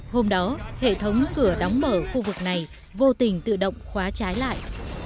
hôm đó hệ thống cửa đóng mở khu vực này vô tình tự động khóa trái lại